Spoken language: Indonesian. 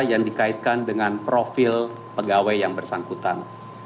yang dikaitkan dengan profil pegawai yang bersangkutan